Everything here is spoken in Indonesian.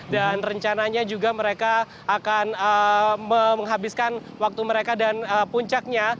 dan rencananya juga mereka akan menghabiskan waktu mereka dan puncaknya